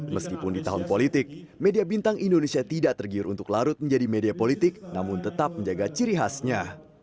meskipun di tahun politik media bintang indonesia tidak tergiur untuk larut menjadi media politik namun tetap menjaga ciri khasnya